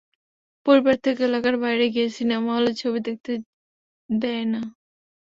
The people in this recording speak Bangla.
পরিবার থেকে এলাকার বাইরে গিয়ে সিনেমা হলে ছবি দেখতে যেতে দেয় না।